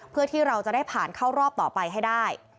เพื่อที่เราจะได้ผ่านเข้ารอบต่อไปให้ได้